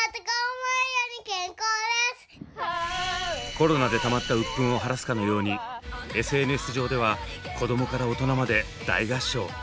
コロナでたまった鬱憤を晴らすかのようにＳＮＳ上では子供から大人まで大合唱。